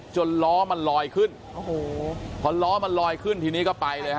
ล้อมันลอยขึ้นโอ้โหพอล้อมันลอยขึ้นทีนี้ก็ไปเลยฮ